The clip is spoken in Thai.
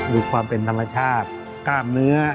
มีความเป็นธรรมชาติกล้ามเนื้อ